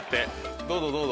どうぞどうぞ。